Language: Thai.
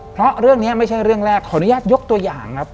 เพราะเรื่องนี้ไม่ใช่เรื่องแรกขออนุญาตยกตัวอย่างครับ